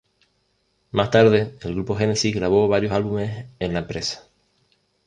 Más tarde el grupo Genesis grabó varios álbumes en la empresa.